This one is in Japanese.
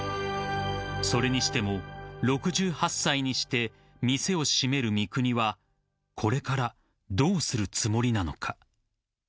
［それにしても６８歳にして店を閉める三國はこれからどうするつもりなのか］